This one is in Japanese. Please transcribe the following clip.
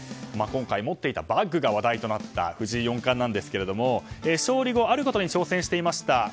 今回持っていたバッグが話題となった藤井四冠なんですが勝利後、あることに挑戦していました。